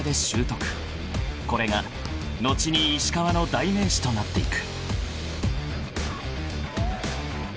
［これが後に石川の代名詞となっていく］